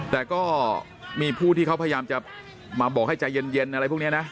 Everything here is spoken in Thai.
แต่ก็มีผู้ที่เขาพยายามจะมาบอกให้ใจเย็นอะไรพวกนี้นะ